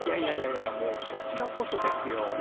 いやいやいやもうこちらこそですよ